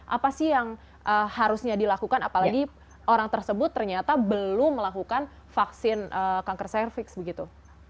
apa sih yang harusnya dilakukan apalagi orang tersebut ternyata belum melakukan vaksin kanker cervix begitu